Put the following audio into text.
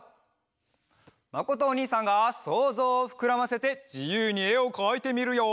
まことおにいさんがそうぞうをふくらませてじゆうにえをかいてみるよ！